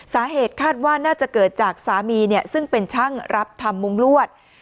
สาเหตุคาดว่าน่าจะเกิดจากสามีซึ่งเป็นช่างรับทำมุ้งลวด